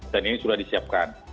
dan ini sudah disiapkan